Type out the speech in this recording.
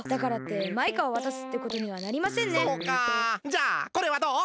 じゃあこれはどう？